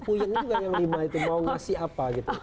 puyuh juga yang lima itu mau ngasih apa gitu